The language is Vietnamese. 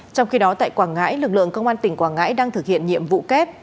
trong khi đó tại quảng ngãi lực lượng công an tỉnh quảng ngãi đang thực hiện nhiệm vụ kép